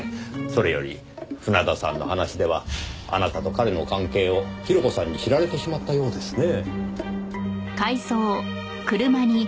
それより船田さんの話ではあなたと彼の関係を広子さんに知られてしまったようですね。